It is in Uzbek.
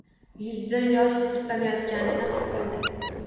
Yuzida yosh sirpanayotganini his qildi.